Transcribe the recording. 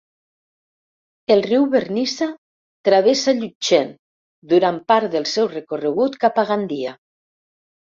El riu Vernissa travessa Llutxent durant part del seu recorregut cap a Gandia.